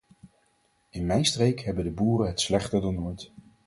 In mijn streek hebben de boeren het slechter dan ooit.